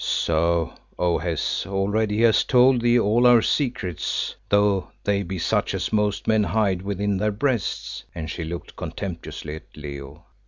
"So, O Hes, already he has told thee all our secrets, though they be such as most men hide within their breasts;" and she looked contemptuously at Leo.